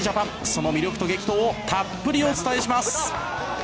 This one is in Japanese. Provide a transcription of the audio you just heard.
その魅力と激闘をたっぷりお伝えします。